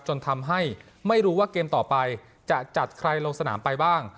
จนทำให้ไม่รู้ว่าเกมต่อไปจะจัดใครลงสนามไปบ้าง